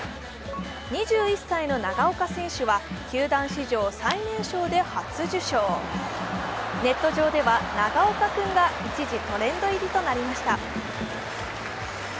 ２１歳の長岡選手は球団史上最年少で初受賞、ネット上では「長岡くん」が一時トレンド入りとなりました。